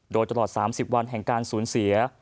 โดยตลอด๓๐วันแห่งการสูญเสีย